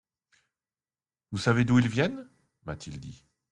«Vous savez d'où ils viennent ?» m'a-t-il dit.